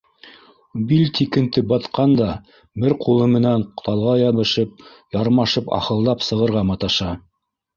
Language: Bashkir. Бил тиңенте батҡан да, бер ҡулы менән талға йәбешеп, ярмашып, ахылдап сығырға маташа.